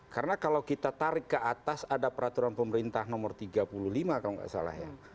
karena kalau kita tarik ke atas ada peraturan pemerintah nomor tiga puluh lima kalau nggak salah ya